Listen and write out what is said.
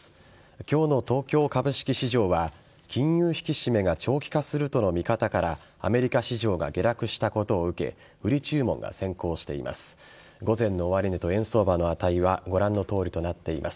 今日の東京株式市場は金融引き締めが長期化するとの見方からアメリカ市場が下落したことを受け売り注文が先行しています。